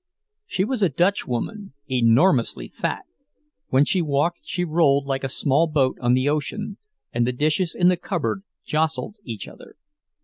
She was a Dutchwoman, enormously fat—when she walked she rolled like a small boat on the ocean, and the dishes in the cupboard jostled each other.